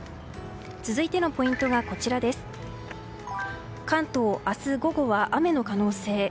続いてのポイントは関東、明日午後は雨の可能性。